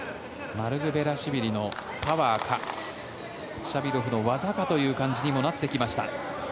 マルクベラシュビリのパワーかシャミロフの技かという感じにもなってきました。